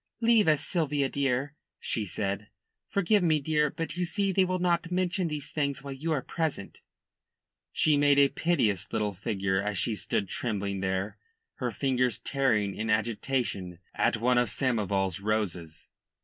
"Leave us, Sylvia, please," she said. "Forgive me, dear. But you see they will not mention these things while you are present." She made a piteous little figure as she stood trembling there, her fingers tearing in agitation at one of Samoval's roses.